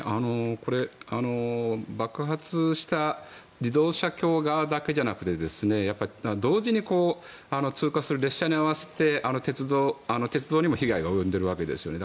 これ、爆発した自動車橋側だけじゃなくて同時に通過する列車に合わせて鉄道にも被害が及んでいるわけですよね。